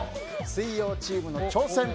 水曜チームの挑戦。